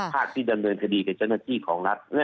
ภาคที่ดำเนินคดีกับเจ้าหน้าที่ของรัฐ